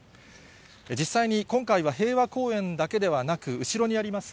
実際に今回は平和公園だけではなく、後ろにあります